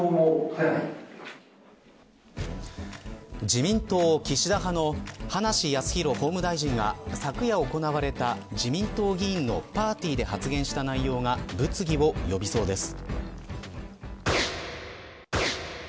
自民党岸田派の葉梨康弘法務大臣が昨夜行われた自民党議員のパーティーで発言した内容が物議を呼びそうです。